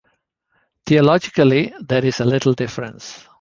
Theologically there is little difference.